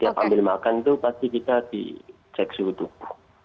tiap ambil makan itu pasti kita dicek secukupnya